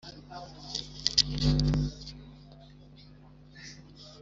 ubwo ni bwo abari bashikamye igihe kirekire kandi bashiritse ubwoba mu guhagararira ukuri bo baneshejwe